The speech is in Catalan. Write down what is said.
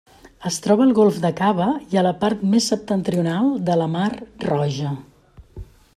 Es troba al Golf d'Aqaba i a la part més septentrional de la Mar Roja.